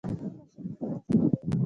د ښار مشهورې مسلۍ